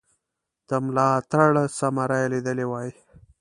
د ملاتړ ثمره یې لیدلې وای.